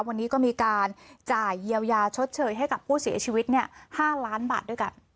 วันนี้ก็มีการจ่ายเยียวยาชดเชยให้กับผู้เสียชีวิต๕ล้านบาทด้วยกัน